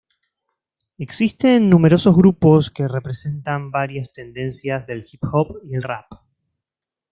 Existen numerosos grupos que representan varias tendencias del hip hop y el rap.